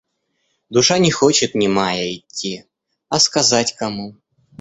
Душа не хочет немая идти, а сказать кому?